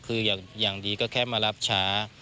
คืออย่างดีก็แค่มารับช้า